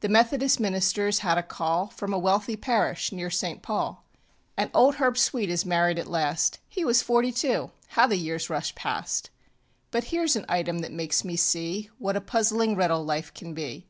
The methodist ministerŌĆÖs had a call From a wealthy parish near St. Paul. And old Herb Sweet is married at last He was forty two. How the years rush past! But hereŌĆÖs an item that makes me see What a puzzling riddle life can be.